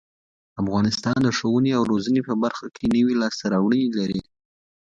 افغانستان د ښوونې او روزنې په برخه کې نوې لاسته راوړنې لري.